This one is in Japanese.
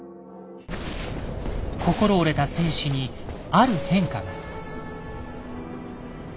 心折れた戦士にある変化が。